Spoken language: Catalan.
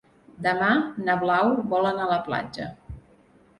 Demà na Blau vol anar a la platja.